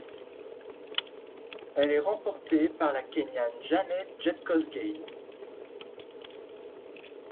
Elle est remportée par la Kényane Janeth Jepkosgei.